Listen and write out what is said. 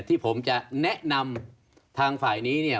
ที่ผมจะแนะนำทางฝ่ายนี้เนี่ย